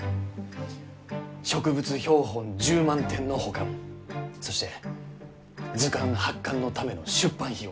植物標本１０万点の保管そして図鑑発刊のための出版費用